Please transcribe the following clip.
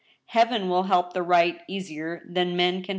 Heaven will help the right easier than men can